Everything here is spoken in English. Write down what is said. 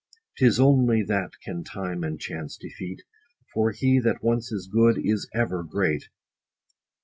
'Tis only that can time and chance defeat : For he that once is good, is ever great.